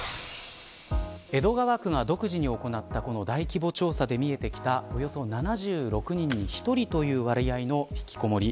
江戸川区が独自に行ったこの大規模調査で見えてきたおよそ７６人に１人という割合のひきこもり。